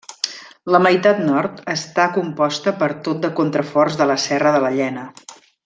La meitat nord està composta per tot de contraforts de la Serra de la Llena.